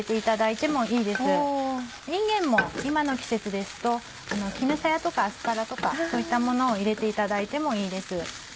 いんげんも今の季節ですと絹さやとかアスパラとかそういったものを入れていただいてもいいです。